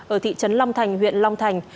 ở thị trấn long thành huyện long thành